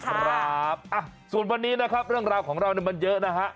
สวัสดีครับส่วนวันนี้เรื่องราวของเรามันเยอะนะฮะ